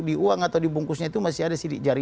di uang atau dibungkusnya itu masih ada sidik jari